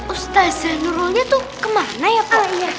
ustazah nurulnya tuh kemana ya pak